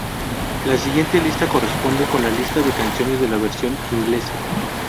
La siguiente lista corresponde con la lista de canciones de la versión inglesa.